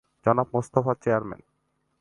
জনাব মোস্তফা চেয়ারম্যান